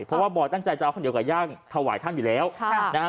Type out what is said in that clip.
เพราะว่าบอยตั้งใจจะเอาข้าวเหนียวไก่ย่างถวายท่านอยู่แล้วค่ะนะฮะ